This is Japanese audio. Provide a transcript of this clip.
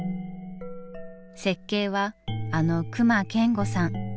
設計はあの隈研吾さん。